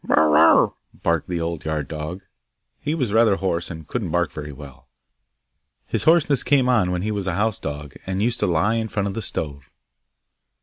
'Bow wow!' barked the old yard dog; he was rather hoarse and couldn't bark very well. His hoarseness came on when he was a house dog and used to lie in front of the stove.